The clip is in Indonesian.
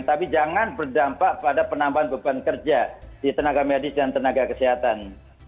tapi jangan berdampak pada penambahan beban kerja di tenaga medis dan tenaga kesehatan